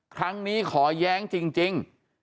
ครั้งนี้ขอแย้งจริง